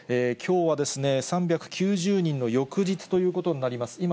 きょうはですね、３９０人の翌日ということになります。